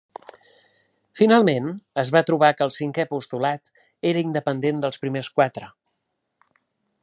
Finalment, es va trobar que el cinquè postulat rea independent dels primers quatre.